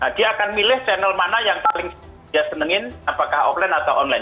dia akan milih channel mana yang paling dia senengin apakah offline atau online